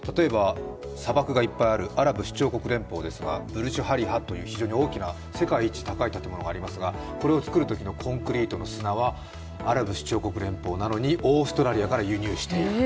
砂漠がいっぱいあるアラブ首長国連邦ですがブルジュ・ハリファという非常に大きな、世界一高い建物があるんですがこれを作るときのコンクリートの砂はアラブ首長国なのにオーストラリアから輸入している。